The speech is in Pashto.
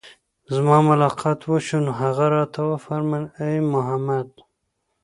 زما ملاقات وشو، نو هغه راته وفرمايل: اې محمد!